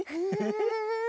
フフフフ！